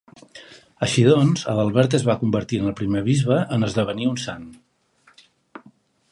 Així doncs, Adalbert es va convertir en el primer bisbe en esdevenir un Sant.